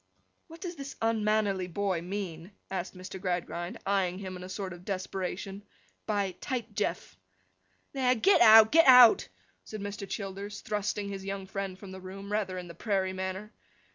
'What does this unmannerly boy mean,' asked Mr. Gradgrind, eyeing him in a sort of desperation, 'by Tight Jeff?' 'There! Get out, get out!' said Mr. Childers, thrusting his young friend from the room, rather in the prairie manner.